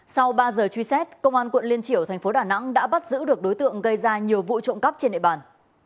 sau ba giờ truy xét công an quận liên triểu tp đà nẵng đã bắt giữ được đối tượng gây ra nhiều vụ trộm cắp trên nệ bàn